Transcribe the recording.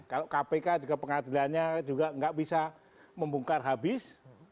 ini kita juga pengadilannya juga nggak bisa membongkar habis